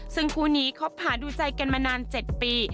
ซึ่งคู่นี้คบหาดูใจกันมานาน๗ปี